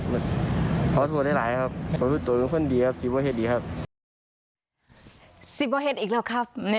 ไม่จำไม่ทำอีกแล้วครับ